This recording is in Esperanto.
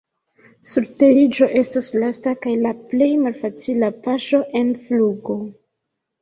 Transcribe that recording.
Surteriĝo estas lasta kaj la plej malfacila paŝo en flugo.